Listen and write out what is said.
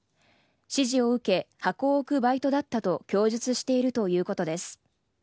指示を受け箱を置くバイトだったと供述しているということです。